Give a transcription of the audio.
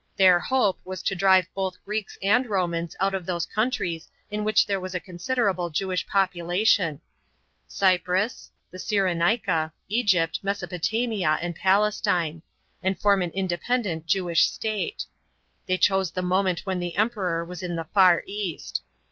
Their hope was to drive both Greeks and Romans out of those countries in which there was a considerable Jewish population, — C \prus, the Cyienaica, Egypt, Mesop>tamia and Palestine — and torm an inde pendent Jewish state. They chose the moment when the Emperor was in the far east.